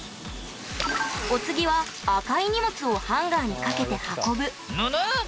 お次は赤い荷物をハンガーにかけて運ぶぬぬっ！